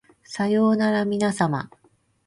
さようならみなさま